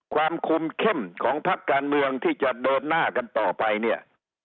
ความคุมเข้มของพักการเมืองที่จะเดินหน้ากันต่อไปเนี่ย